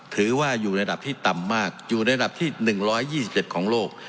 ถือว่าอยู่ระดับที่ต่ำมากอยู่ในระดับที่๑๒๗ของโลก